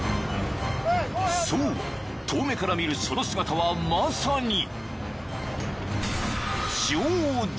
［そう遠目から見るその姿はまさに］